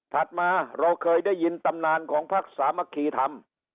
มาเราเคยได้ยินตำนานของพักสามัคคีธรรม